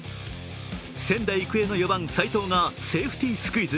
仙台育英の４番・斉藤がセーフティースクイズ。